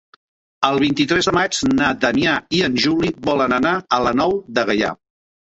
El vint-i-tres de maig na Damià i en Juli volen anar a la Nou de Gaià.